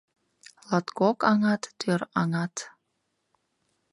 Латкок аҥат — тӧр аҥат